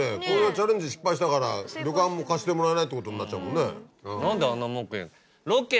チャレンジ失敗したから旅館も貸してもらえないってことになっちゃうもんね。